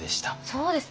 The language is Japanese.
そうですね。